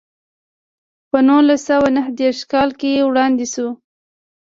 په نولس سوه نهه دېرش کال کې وړاندې شوه.